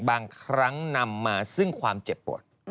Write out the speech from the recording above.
บางครั้งนำมาซึ่งความเจ็บปวด